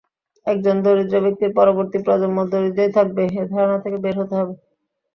একজন দরিদ্র ব্যক্তির পরবর্তী প্রজন্ম দরিদ্রই থাকবে—এ ধারণা থেকে বের হতে হবে।